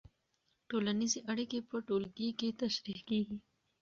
ټولنیزې اړیکې په ټولګي کې تشریح کېږي.